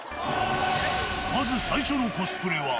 まず最初のコスプレは。